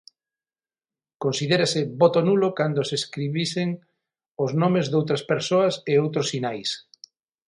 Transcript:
Considérase voto nulo cando se escribisen os nomes doutras persoas e outros sinais.